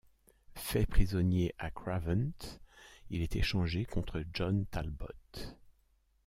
Fait prisonnier à Cravant, il est échangé contre John Talbot.